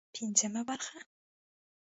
پنځمه برخه